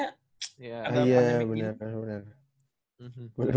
ada pandemic ini iya bener bener